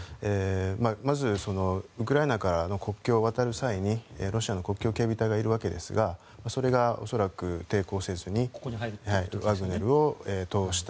まずウクライナからの国境を渡る際にロシアの国境警備隊がいるわけですがそれが恐らく抵抗せずにワグネルを通した。